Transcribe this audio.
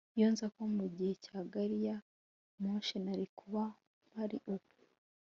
iyo nza kuba mugihe cya gari ya moshi, nari kuba mpari ubu